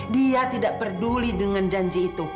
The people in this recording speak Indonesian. dia tidak peduli dengan janji itu